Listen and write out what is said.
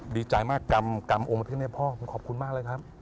ดีใจมากกรรมโอมท์แพทย์เนี่ยพ่อขอบคุณมากเลยครับ